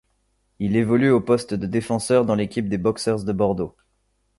Il évolue au poste de défenseur dans l'équipe des Boxers de Bordeaux.